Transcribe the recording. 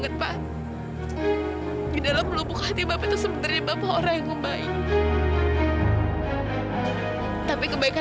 turut ya apa kata dia